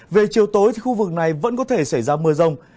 về chiều tối khu vực này vẫn có thể xảy ra mưa rông